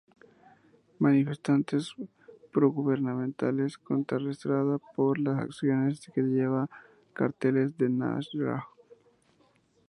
Manifestantes progubernamentales contrarrestada por las acciones que lleva carteles de Nasrallah.